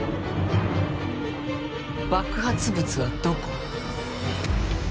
爆発物はどこ？